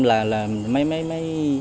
là mấy mấy mấy